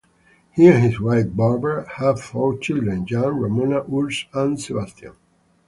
He and his wife Barbara have four children: Jan, Ramona, Urs and Sebastian.